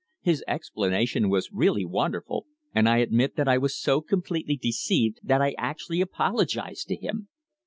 His explanation was really wonderful, and I admit that I was so completely deceived that I actually apologized to him!